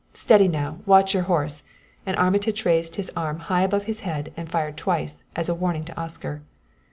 Steady now! Watch your horse!" And Armitage raised his arm high above his head and fired twice as a warning to Oscar.